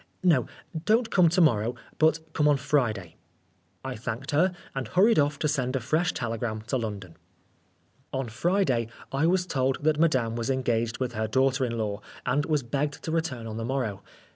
No, don't come to morrow, but come on Friday." I thanked her, and hurried off to send a fresh telegram to London. On Friday I was told that Madame was engaged with her daughter in law, and was begged to return on the morrow.